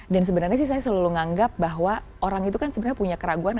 dan sebenarnya sih saya selalu menganggap bahwa orang itu kan sebenarnya punya keraguan